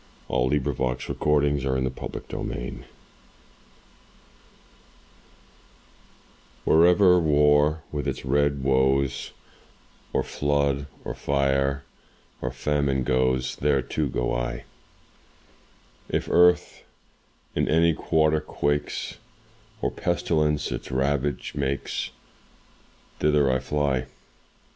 Malcolm Hemphrey AUXILIARIES THE RED CROSS SPIRIT SPEAKS Wherever war, with its red woes, Or flood, or fire, or famine goes, There, too, go I; If earth in any quarter quakes Or pestilence its ravage makes, Thither I fly.